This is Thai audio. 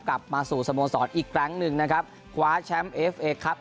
กลับมาสู่สโมสรอีกครั้งหนึ่งนะครับคว้าแชมป์เอฟเอครับ